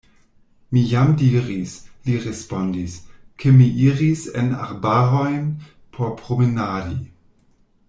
Mi jam diris, li respondis, ke mi iris en arbarojn por promenadi.